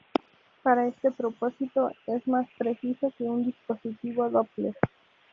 Para este propósito es más preciso que un dispositivo Doppler.